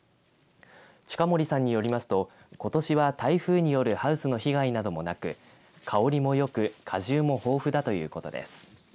近森さんによりますとことしは台風によるハウスの被害などもなく香りもよく果汁も豊富だということです。